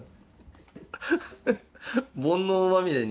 「煩悩まみれ」に。